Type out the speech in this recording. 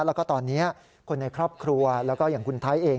แล้วก็ตอนนี้คนในครอบครัวแล้วก็อย่างคุณไทยเอง